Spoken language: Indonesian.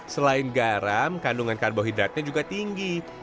selain garam kandungan karbohidratnya juga tinggi